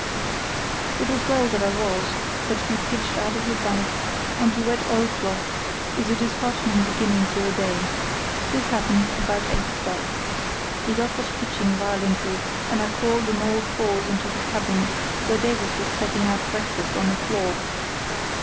It was well that I was, for to be pitched out of your bunk on to wet oil cloth is a disheartening beginning to a day. This happened about eight o'clock. The yacht was pitching violently, and I crawled on all fours into the cabin, where Davies was setting out breakfast on the floor.